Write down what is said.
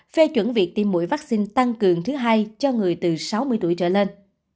phê chuẩn việc tiêm mũi vaccine tăng cường thứ hai cho người từ sáu mươi tuổi trở lên